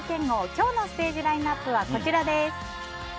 今日のステージラインアップはこちらです。